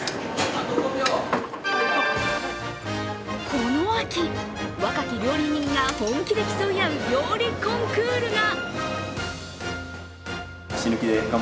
この秋、若き料理人が本気で競い合う料理コンクールが！